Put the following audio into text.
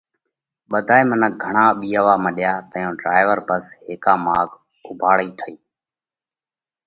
ٻڌائي منک گھڻا ٻِيئاوا مڏيا تئيون ڍرائيور ڀس هيڪا ماڳ اُوڀاڙئي هٺئِي۔